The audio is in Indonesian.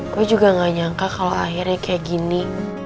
gue juga gak nyangka kalau akhirnya kayak gini